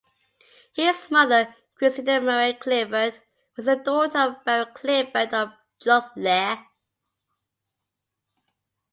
His mother, Christina Maria Clifford, was the daughter of Baron Clifford of Chudleigh.